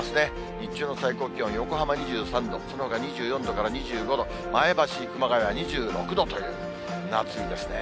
日中の最高気温、横浜２３度、そのほか２４度から２５度、前橋、熊谷は２６度という夏日ですね。